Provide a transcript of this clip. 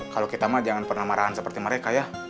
kalau kita mah jangan pernah marahan seperti mereka ya